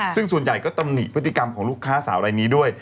ซึ่งส่วนใหญ่ก็ตำหนิพฤติกรรมของลูกค้าสาวรายนี้ด้วย